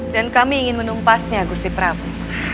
dan kami ingin menumpasnya gusti prabu